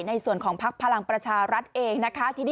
ในส่วนของพักธุ์พลังประชารัฐเองนะครับ